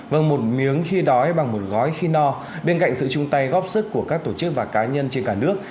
vâng một miếng khi đói bằng một gói khi no bên cạnh sự chung tay góp sức của các tổ chức và cá nhân trên cả nước